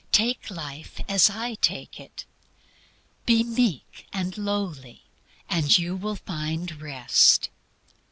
Take life as I take it. Be meek and lowly, and you will find Rest."